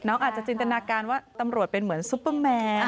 อาจจะจินตนาการว่าตำรวจเป็นเหมือนซุปเปอร์แมน